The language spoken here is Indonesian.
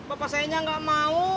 bapak sayanya enggak mau